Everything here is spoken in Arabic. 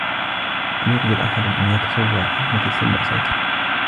لم يقدر أحد أن يتصوّر حجم تلك المأساة.